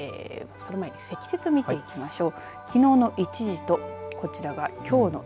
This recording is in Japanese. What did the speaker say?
その前に積雪見ていきましょう。